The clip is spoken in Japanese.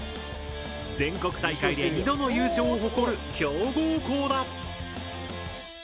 全国大会で２度の優勝を誇る強豪校だ。